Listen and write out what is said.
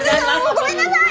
ごめんなさい！